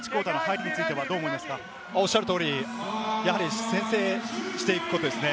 おっしゃる通り、やはり先制していくことですね。